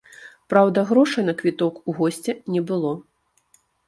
Праўда, грошай на квіток у госця не было.